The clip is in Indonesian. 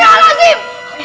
tauhnya allah azim